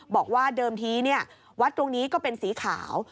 บอกว่าเดิมทีวัดตรงนี้ก็เป็นสีขาว